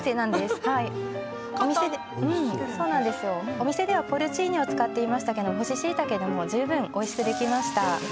お店ではポルチーニを使っていましたけれどしいたけでも十分おいしくできました。